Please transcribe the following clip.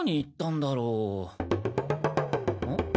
ん？